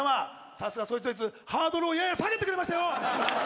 さすがそいつどいつハードルをやや下げてくれましたよ！